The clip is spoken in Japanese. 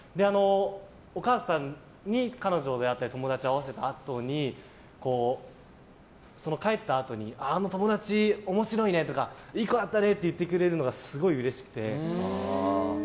お母さんに彼女だったり友達を会わせたあとにその帰ったあとにあの友達、面白いねとかいい子だったねとか言ってくれるのがすごい、うれしくて。